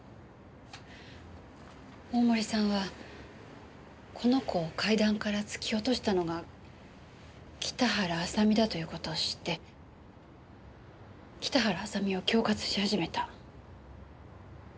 大森さんはこの子を階段から突き落としたのが北原麻美だという事を知って北原麻美を恐喝し始めた。